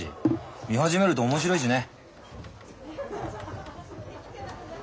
見始めると面白いしね。